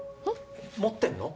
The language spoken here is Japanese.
持ってんの？